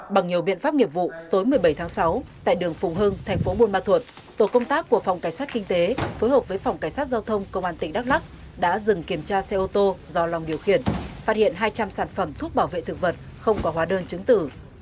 bằng nhiều biện pháp nghiệp vụ tối một mươi bảy tháng sáu tại đường phùng hưng thành phố buôn ma thuột tổ công tác của phòng cảnh sát kinh tế phối hợp với phòng cảnh sát giao thông công an tỉnh đắk lắc đã dừng kiểm tra xe ô tô do long điều khiển phát hiện hai trăm linh sản phẩm thuốc bảo vệ thực vật không có hóa đơn chứng tử